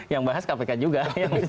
yang bahas kpk juga